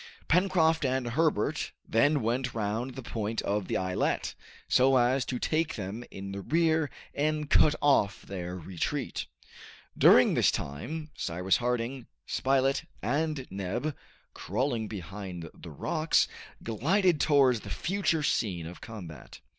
Pencroft and Herbert then went round the point of the islet, so as to take them in the rear, and cut off their retreat. During this time Cyrus Harding, Spilett, and Neb, crawling behind the rocks, glided towards the future scene of combat.